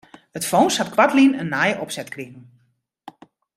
It fûns hat koartlyn in nije opset krigen.